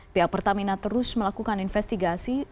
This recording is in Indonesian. pihak pertamina terus melakukan investigasi